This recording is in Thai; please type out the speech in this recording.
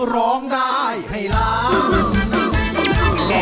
ร้องได้ให้ล้าน